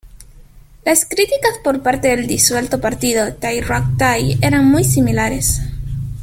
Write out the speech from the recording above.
Las críticas por parte del disuelto partido, Thai Rak Thai eran muy similares.